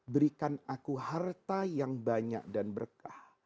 berikan aku harta yang banyak dan berkah